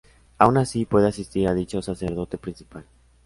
Aun así pueda asistir a dicho sacerdote principal.